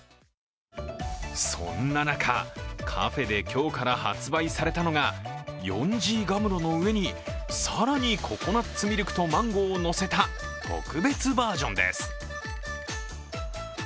そんな中、カフェで今日から発売されたのが、ヨンジーガムロの上に更にココナツミルクとマンゴーをのせた特別バージョンです。